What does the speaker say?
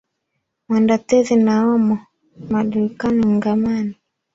Mwenda thedhi na omo madirkani ngamani